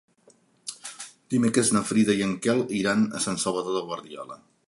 Dimecres na Frida i en Quel iran a Sant Salvador de Guardiola.